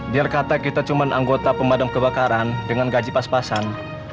biar kata kita cuma anggota pemadam kebakaran dengan gaji pas pasan